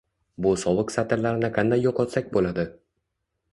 Bu sovuq satrlarni qanday yo‘qotsak bo‘ladi?